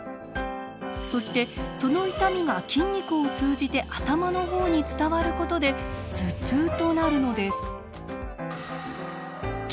そしてその痛みが筋肉を通じて頭の方に伝わることで頭痛となるのです。